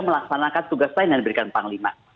melaksanakan tugas lain yang diberikan panglima